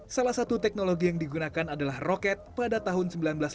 salah satu teknologi yang digunakan adalah roket pada tahun seribu sembilan ratus sembilan puluh